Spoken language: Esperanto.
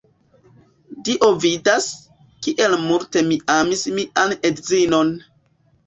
Dio vidas, kiel multe mi amis mian edzinon!